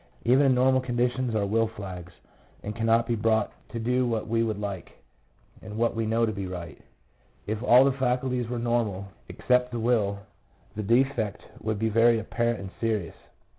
Even in normal conditions our will flags, and cannot be brought to do what we 120 PSYCHOLOGY OF ALCOHOLISM. would like, and what we know to be right. If all the faculties were normal except the will, the defect would be very apparent and serious.